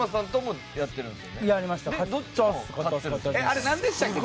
あれなんでしたっけ？